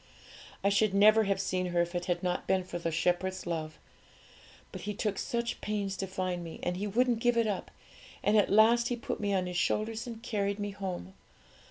I should never have seen her if it had not been for the Shepherd's love; but He took such pains to find me, and He wouldn't give it up, and at last He put me on His shoulders and carried me home.